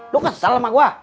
lo kesal sama gue